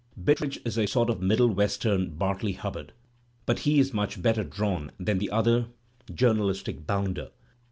Bittredge is a sort of middle western Bartley Hubbard, but he is much better drawn than the other journalistic bounder.